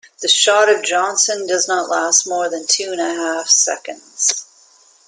The shot of Johnson does not last more than two and a half seconds.